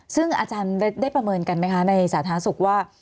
ซึ่งอาจารย์ได้ประเมินกันไหมคะในสาธารณสุขว่า